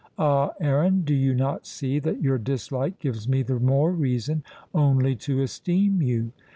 Ah, Aaron, do you not see that your dislike gives me the more reason only to esteem you?"